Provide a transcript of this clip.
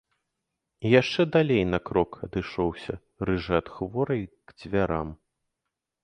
І яшчэ далей на крок адышоўся рыжы ад хворай к дзвярам.